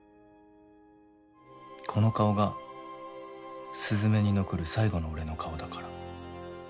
この顔が鈴愛に残る最後の俺の顔だから。